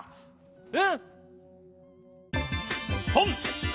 うん！